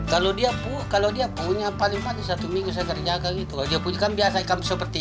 kalau dia puh kalau dia punya paling paling satu minggu segera jaga gitu dia punya biasa ikan seperti